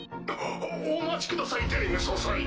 お待ちください